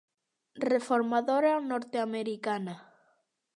Reformadora norteamericana.